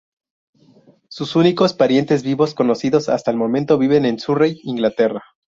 Sus únicos parientes vivos conocidos hasta el momento viven en Surrey, Inglaterra.